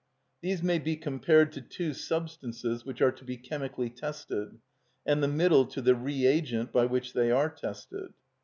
These may be compared to two substances which are to be chemically tested, and the middle to the reagent by which they are tested.